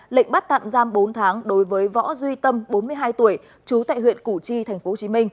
lệnh bắt tạm giam bốn tháng đối với võ duy tâm bốn mươi hai tuổi trú tại huyện củ chi tp hcm